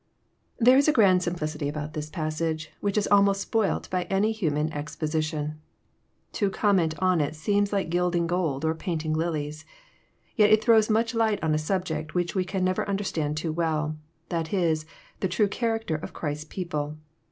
There is a grand simplicity about this passage, which is almost spoilt by any human exposition. To comment on it seems like gilding gold or painting lilies. Yet it throws much light on a subject which we can never understand too well ; that is, the true character of Christ's people.